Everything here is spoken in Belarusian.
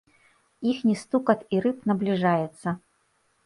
Іхні стукат і рып набліжаецца.